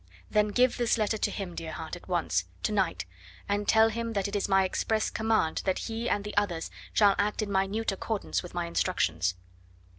Then give this letter to him, dear heart, at once, to night, and tell him that it is my express command that he and the others shall act in minute accordance with my instructions."